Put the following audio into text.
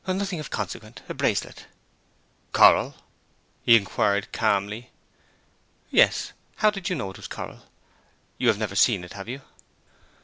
'Nothing of consequence, a bracelet.' 'Coral?' he inquired calmly. 'Yes. How did you know it was coral? You have never seen it, have you?'